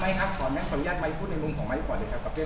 หรืออาจไม่ครับขออนุญาตไปพูดในรุ่งของมายก่อน